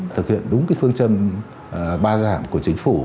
thực hiện đúng phương chân ba giảm của chính phủ